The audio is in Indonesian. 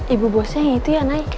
ibu bosnya yang itu ya nay